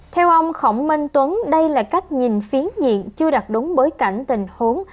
theo ông khổng minh tuấn đây là cách nhìn phiến diện chưa đặt đúng bối cảnh tình huống